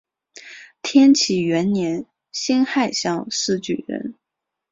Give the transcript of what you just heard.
天启元年辛酉乡试举人。